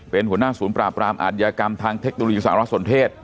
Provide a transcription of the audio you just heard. เป็นหัวหน้าศูนย์ปราบรามอาทยากรรมทางเทคโนโลยีสารสนเทศ